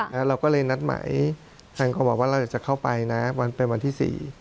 แล้วเราก็เลยนัดหมายทางกระบะว่าเราจะเข้าไปนะวันที่๔